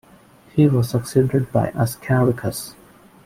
He was succeeded by Askericus.